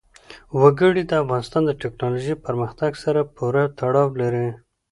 وګړي د افغانستان د تکنالوژۍ پرمختګ سره پوره تړاو لري.